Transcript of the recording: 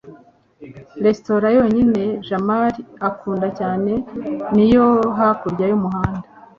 restaurant yonyine jamali akunda cyane ni iyo hakurya y'umuhanda